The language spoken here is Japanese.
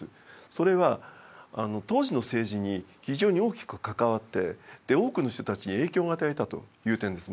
それは当時の政治に非常に大きく関わって多くの人たちに影響を与えたという点ですね。